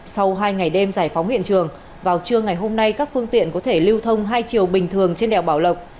sau hai ngày đêm giải phóng hiện trường vào trưa ngày hôm nay các phương tiện có thể lưu thông hai chiều bình thường trên đèo bảo lộc